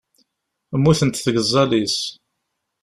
Mmutent tgeẓẓal-is.